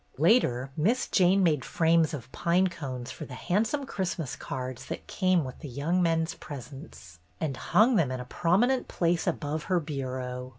Later Miss Jane made frames of pine cones for the handsome Christmas cards that came with the young men's presents, and hung them in a prominent place above her bureau.